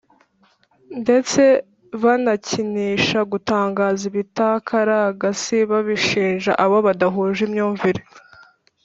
ndetse banakinisha gutangaza ibitakaragasi babishinja abo badahuje imyumvire?